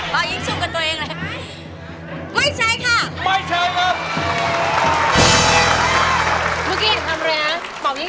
ไม่ใช้